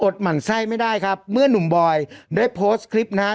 หมั่นไส้ไม่ได้ครับเมื่อนุ่มบอยได้โพสต์คลิปนะฮะ